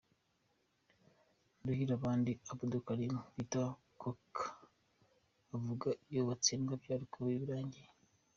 Nduhirabandi Abdulkalim bita Coka avuga iyo batsindwa byari kuba birangiye.